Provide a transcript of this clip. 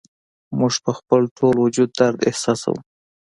موږ په خپل ټول وجود درد احساسوو